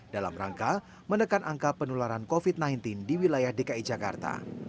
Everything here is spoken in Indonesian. dalam rangka menekan angka penularan covid sembilan belas di wilayah dki jakarta